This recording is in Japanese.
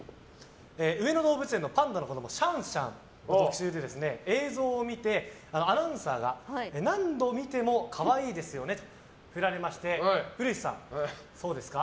上野動物園のパンダの子供シャンシャンの特集を映像で見て映像を見てアナウンサーが、何度見ても可愛いですよね！と振られて古市さん、そうですか？